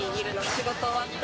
仕事終わった？